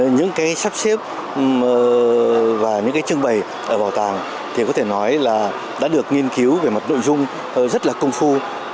những cái sắp xếp và những cái trưng bày ở bảo tàng thì có thể nói là đã được nghiên cứu về mặt nội dung rất là công phu